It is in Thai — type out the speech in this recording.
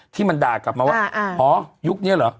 ที่มันด่ากลับมาว่าอ๋อยุคนี้เหรอ